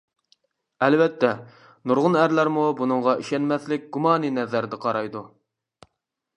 ئەلۋەتتە، نۇرغۇن ئەرلەرمۇ بۇنىڭغا ئىشەنمەسلىك گۇمانىي نەزەردە قارايدۇ.